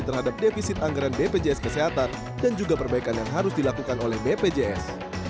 terhadap defisit anggaran bpjs kesehatan dan juga perbaikan yang harus dilakukan oleh bpjs